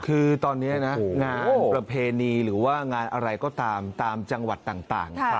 คือตอนนี้นะงานประเพณีหรือว่างานอะไรก็ตามตามจังหวัดต่าง